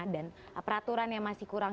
dan peraturan yang masih kurang